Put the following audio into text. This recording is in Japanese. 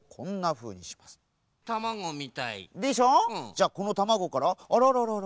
じゃこのたまごからあらららら。